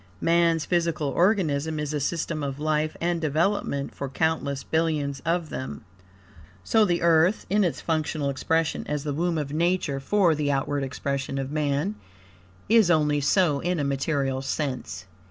Man's physical organism is a system of life and development for countless billions of them. So the Earth, in its functional expression as the womb of Nature for the outward expression of Man, is only so in a material sense.